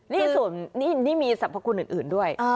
นี่มีสรรพคุณอื่นด้วย